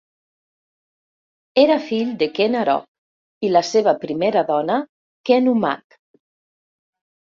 Era fill de Ken Arok i la seva primera dona, Ken Umang.